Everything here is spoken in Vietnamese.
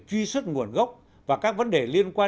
truy xuất nguồn gốc và các vấn đề liên quan